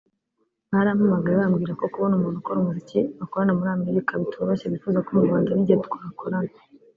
barampamagaye bambwira ko kubona umuntu ukora umuziki bakorana muri Amerika bitoroshye bifuza ko mu Rwanda ari njye twakorana